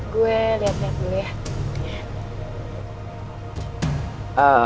gue liat liat dulu ya